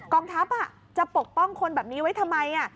องทัพจะปกป้องคนแบบนี้ไว้ทำไม